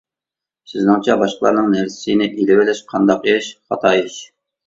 سىزنىڭچە باشقىلارنىڭ نەرسىسىنى ئېلىۋېلىش قانداق ئىش؟ خاتا ئىش.